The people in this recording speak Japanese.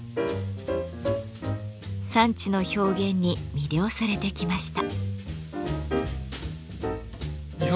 三知の表現に魅了されてきました。